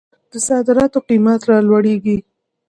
د صادراتو قیمت رالویږي.